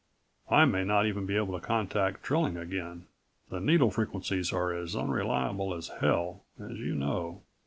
I may not even be able to contact Trilling again. The needle frequencies are as unreliable as hell, as you know."